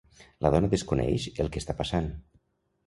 La dona desconeix el que està passant.